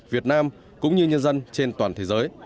việt nam cũng như nhân dân trên toàn thế giới